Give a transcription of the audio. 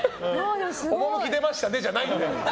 趣出ましたねじゃないよね。